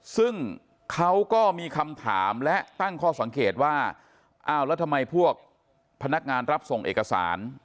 ซึ่งเขาก็มีคำถามและตั้งข้อสังเกตว่าอ้าวแล้วทำไมพวกพนักงานรับส่งเอกสาร